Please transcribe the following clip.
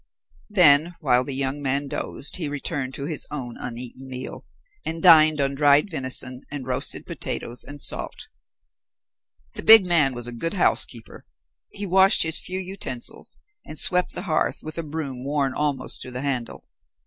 Then, while the young man dozed, he returned to his own uneaten meal, and dined on dried venison and roasted potatoes and salt. The big man was a good housekeeper. He washed his few utensils and swept the hearth with a broom worn almost to the handle.